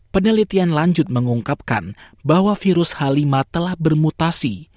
penelitian lanjut mengungkapkan bahwa virus h lima telah bermutasi